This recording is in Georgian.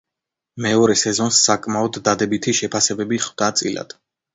მეორე სეზონს საკმაოდ დადებითი შეფასებები ჰხვდა წილად.